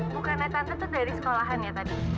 bukannya tante itu dari sekolahan ya tadi